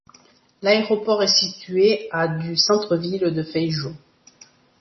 L'aéroport est situé à du centre-ville de Feijó.